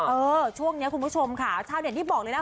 เออช่วงนี้คุณผู้ชมค่ะชาวเน็ตนี่บอกเลยนะ